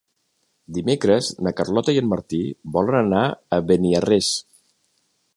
Dimecres na Carlota i en Martí volen anar a Beniarrés.